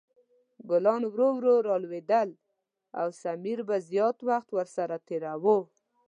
ګلان ورو ورو لا لویدل او سمیر به زیات وخت ورسره تېراوه.